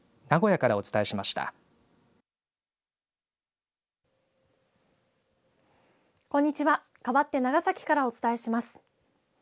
かわって長崎からお伝えします。